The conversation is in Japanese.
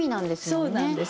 そうなんです。